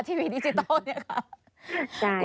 ทีวีดิจิต่อหรือนี่ค่ะ